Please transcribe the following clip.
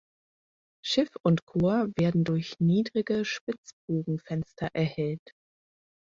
Schiff und Chor werden durch niedrige Spitzbogenfenster erhellt.